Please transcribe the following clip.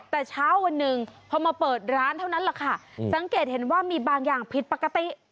แต่เช้าวันหนึ่งพอมาเปิดร้านเท่านั้นแหละค่ะสังเกตเห็นว่ามีบางอย่างผิดปกติ